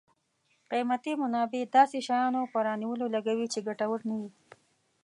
قیمتي منابع داسې شیانو په رانیولو لګوي چې ګټور نه وي.